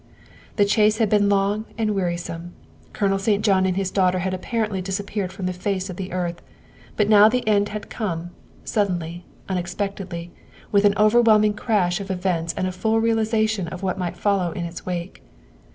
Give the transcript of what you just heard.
The chase had been long and wearisome. Colonel St. John and his daughter had apparently disappeared from the face of the earth, but now the end had come, sud denly, unexpectedly, with an overwhelming crash of events and a full realization of what might follow in its wake.